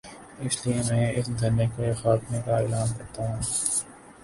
اس لیے میں اس دھرنے کے خاتمے کا اعلان کر تا ہوں۔